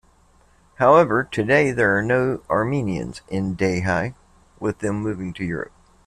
However, Today there are no Armenians in Dehi, with them moving to Europe.